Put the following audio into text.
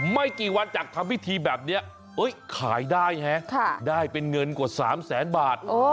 ไม่กี่วันจากทำพิธีแบบนี้ขายได้ฮะได้เป็นเงินกว่า๓แสนบาท